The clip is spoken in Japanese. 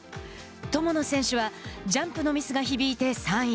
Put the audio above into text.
友野選手はジャンプのミスが響いて３位。